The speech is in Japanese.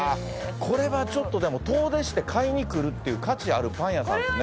これはでも遠出して買いに来るっていう価値あるパン屋さんですね。